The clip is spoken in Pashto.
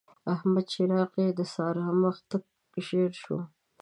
احمد چې راغی؛ د سارا مخ تک ژړ شو.